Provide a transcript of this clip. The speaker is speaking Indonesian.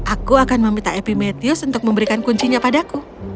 aku akan meminta epimetheus untuk memberikan kuncinya padaku